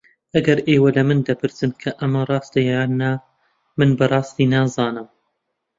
ئەگەر ئێوە لە من دەپرسن کە ئەمە ڕاستە یان نا، من بەڕاستی نازانم.